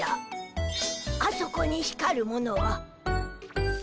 あそこに光るものは。